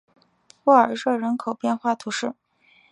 布尔热人口变化图示